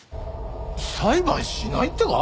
裁判しないってか！？